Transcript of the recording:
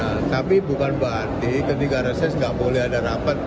nah tapi bukan berarti ketika reses nggak boleh ada rapat